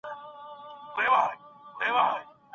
هغه اوږده پاڼه ډنډ ته وړله.